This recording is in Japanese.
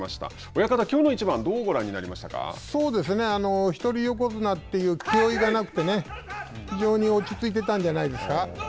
親方、きょうの一番一人横綱という気負いがなくて非常に落ち着いてたんじゃないですか。